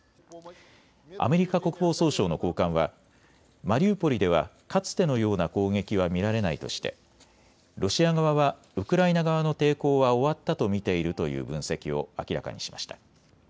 アメリカ国防総省の高官はマリウポリでは、かつてのような攻撃は見られないとしてロシア側はウクライナ側の抵抗は終わったと見ているという分析を明らかにしました。